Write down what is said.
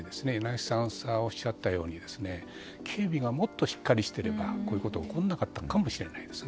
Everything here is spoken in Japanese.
柳澤さんがおっしゃったように警備がもっとしっかりしていればこういうことは起こらなかったかもしれないです。